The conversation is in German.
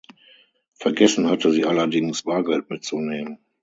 Vergessen hatte sie allerdings, Bargeld mitzunehmen.